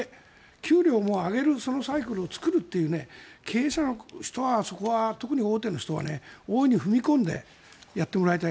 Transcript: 給料を上げるサイクルを作るという経営者の人は、特に大手の人は大いに踏み込んでやってもらいたい。